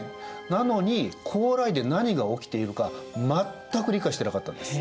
なのに高麗で何が起きているか全く理解してなかったんです。